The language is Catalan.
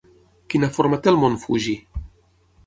Quina forma té el mont Fuji?